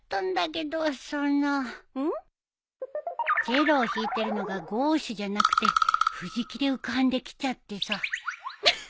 チェロを弾いてるのがゴーシュじゃなくて藤木で浮かんできちゃってさ。